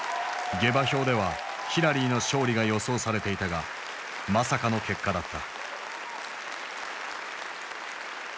下馬評ではヒラリーの勝利が予想されていたがまさかの結果だった。